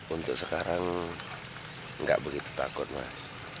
untuk sekarang nggak begitu takut mas